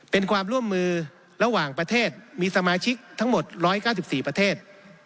เป็นความร่วมมือระหว่างประเทศมีสมาชิกทั้งหมด๑๙๔ประเทศ